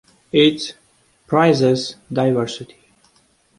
It praises diversity.